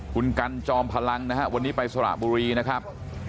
คุณกันจอมพลังนะฮะวันนี้ไปสระบุรีนะครับ